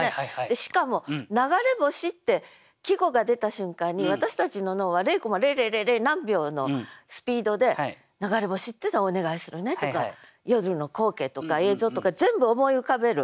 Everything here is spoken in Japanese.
ここにしかも私たちの脳は０．００００何秒のスピードで流れ星っていうのはお願いするねとか夜空の光景とか映像とか全部思い浮かべる。